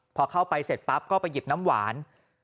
พอเข้าไปเสร็จปั๊บก็ไปหยิบน้ำหวาน